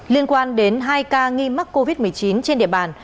liên quan đến hai ca nghi mắc covid một mươi chín trên địa bàn